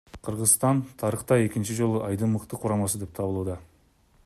Кыргызстан тарыхта экинчи жолу айдын мыкты курамасы деп табылууда.